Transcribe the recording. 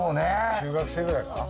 中学生くらいかな。